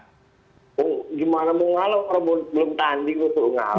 oh gimana mau mengalah kalau belum tanding harus mengalah